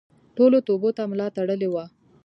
ټولو توبو ته ملا تړلې وه.